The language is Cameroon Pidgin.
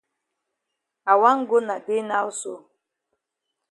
I wan go na dey now so.